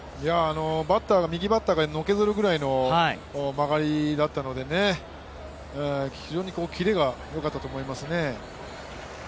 バッターが右バッターがのけぞるくらいの曲がりだったので非常にキレがよかったと思いますね。